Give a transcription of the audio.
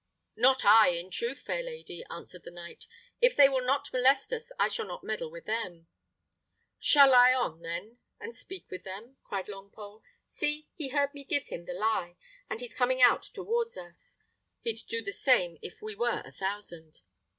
"Not I, in truth, fair lady," answered the knight. "If they will not molest us, I shall not meddle with them." "Shall I on, then, and speak with him?" cried Longpole. "See! he heard me give him the lie, and he's coming out towards us. He'd do the same if we were a thousand."